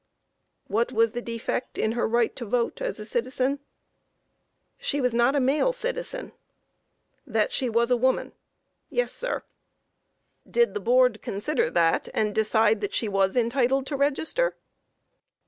Q. What was the defect in her right to vote as a citizen? A. She was not a male citizen. Q. That she was a woman? A. Yes, sir. Q. Did the Board consider that and decide that she was entitled to register?